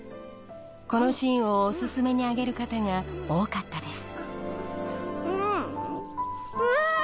このシーンをオススメに挙げる方が多かったです